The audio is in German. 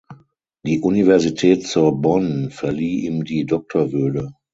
Die Universität Sorbonne verlieh ihm die Doktorwürde.